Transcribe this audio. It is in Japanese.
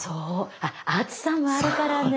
あっ暑さもあるからね。